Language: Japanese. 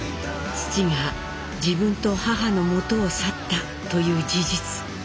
「父が自分と母のもとを去った」という事実。